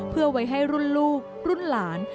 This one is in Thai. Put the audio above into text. เพื่อไว้ให้รุ่นลูกรุ่นหลาน